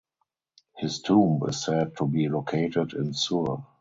His tomb is said to be located in Sur.